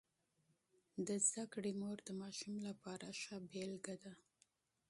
د زده کړې مور د ماشوم لپاره ښه نمونه ده.